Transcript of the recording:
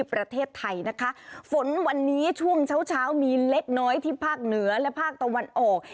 ประเทศไทยนะคะฝนวันนี้ช่วงเช้าเช้ามีเล็กน้อยที่ภาคเหนือและภาคตะวันออก